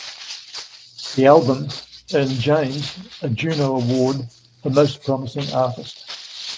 The album earned James a Juno Award for "Most Promising Artist".